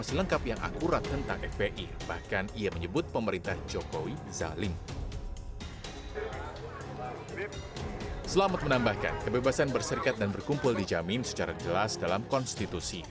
selamat menambahkan kebebasan berserikat dan berkumpul dijamin secara jelas dalam konstitusi